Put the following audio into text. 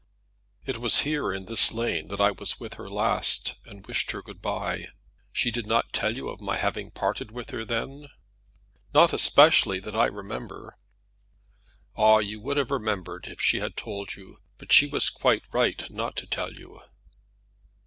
"It was here, in this lane, that I was with her last, and wished her good by. She did not tell you of my having parted with her, then?" "Not especially, that I remember." "Ah, you would have remembered if she had told you; but she was quite right not to tell you."